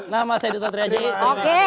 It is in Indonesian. nama saya dutra triayai